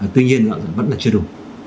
tuy nhiên vẫn là chưa đủ